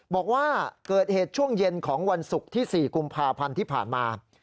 บอกว่าเกิดเหตุช่วงเย็นของวันศุกร์ที่๔กุมภาพันธ์ที่ผ่านมา